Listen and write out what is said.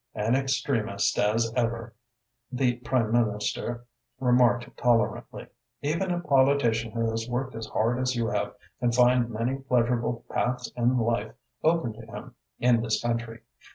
"An extremist as ever," the Prime Minister remarked tolerantly. "Even a politician who has worked as hard as you have can find many pleasurable paths in life open to him in this country.